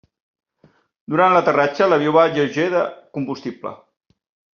Durant l'aterratge l'avió va lleuger de combustible.